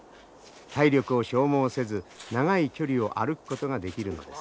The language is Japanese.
体力を消耗せず長い距離を歩くことができるのです。